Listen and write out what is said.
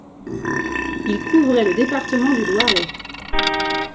Il couvrait le département du Loiret.